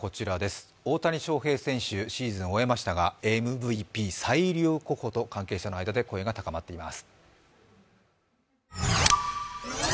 大谷翔平選手、シーズンを終えましたがＭＶＰ最有力候補と関係者の間で声が高まっています。